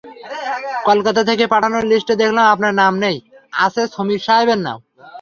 কলকাতা থেকে পাঠানো লিস্টে দেখলাম আপনার নাম নেই, আছে ছমির সাহেবের নাম।